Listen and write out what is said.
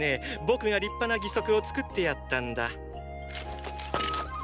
僕が立派な義足を作ってやったんだ。